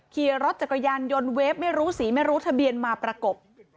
ขี่รถจักรยานยนต์เวฟไม่รู้สีไม่รู้ทะเบียนมาประกบ